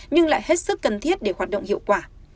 nhưng lại hết sức cần thiết để hoạt động hiệu quả